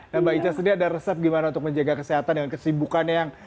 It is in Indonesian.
nah mbak ica sendiri ada resep gimana untuk menjaga kesehatan dengan kesibukannya yang